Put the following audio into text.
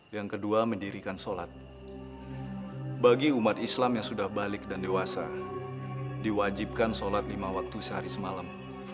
yang kedua mendirikan sholat bagi umat islam yang sudah balik dan dewasa diwajibkan sholat lima waktu sehari semalam